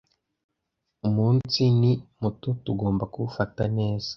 umunsi ni muto tugomba kuwufata neza